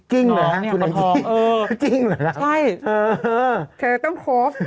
จริงเหรอครับจริงเหรอครับแก้ไก้ต้มโค๊ป